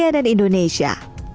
tim liputan tv indonesia